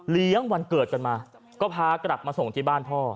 เลี้ยงวันเกิดกันมาก็พากลับมาส่งไปบ้านพ่อ